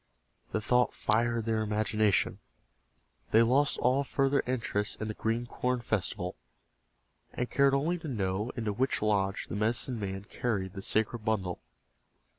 The thought fired their imagination. They lost all further interest in the Green Corn Festival, and cared only to know into which lodge the medicine man carried the sacred bundle.